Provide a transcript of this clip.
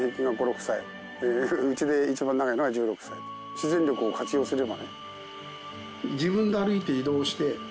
自然力を活用すればね。